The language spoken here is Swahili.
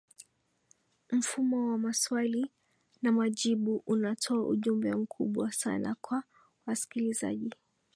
mfumo wa maswali na majibu unatoa ujumbe mkubwa sana kwa wasikilizaji